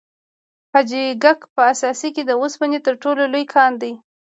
حاجي ګک په اسیا کې د وسپنې تر ټولو لوی کان دی.